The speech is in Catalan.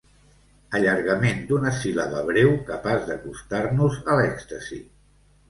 Allargament d'una síl·laba breu capaç d'acostar-nos a l'èxtasi.